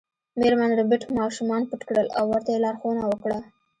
میرمن ربیټ ماشومان پټ کړل او ورته یې لارښوونه وکړه